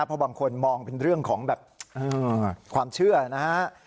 เพราะบางคนมองเป็นเรื่องของแบบความเชื่อนะฮะ